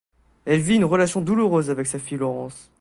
Elle vit une relation douloureuse avec sa fille Laurence.